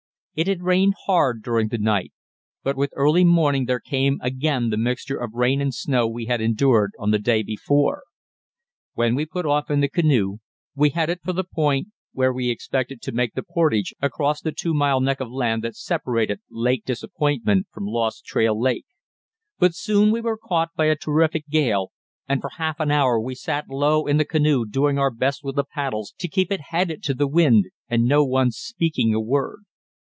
It had rained hard during the night, but with early morning there came again the mixture of rain and snow we had endured on the day before. When we put off in the canoe, we headed for the point where we expected to make the portage across the two mile neck of land that separated Lake Disappointment from Lost Trail Lake; but soon we were caught by a terrific gale, and for half an hour we sat low in the canoe doing our best with the paddles to keep it headed to the wind and no one speaking a word.